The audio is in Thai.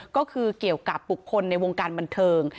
ก็คือเกี่ยวกับบุคคลในวงการบันเทิง